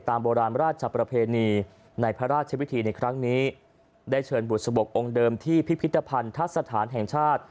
โบราณราชประเพณีในพระราชวิธีในครั้งนี้ได้เชิญบุษบกองค์เดิมที่พิพิธภัณฑสถานแห่งชาติ